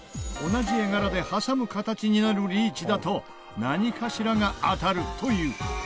同じ絵柄で挟む形になるリーチだと何かしらが当たるという。